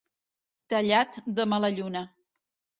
Tallat de mala lluna.